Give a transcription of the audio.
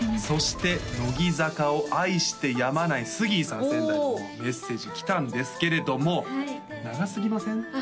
そして乃木坂を愛してやまないスギーさん先代のメッセージ来たんですけれども長すぎません？